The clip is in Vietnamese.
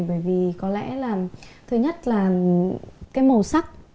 bởi vì có lẽ là thứ nhất là cái màu sắc